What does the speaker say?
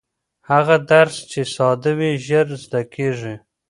هغه درس چې ساده وي ژر زده کېږي.